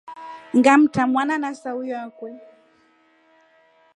Ngamta mwana na sauyo akwe.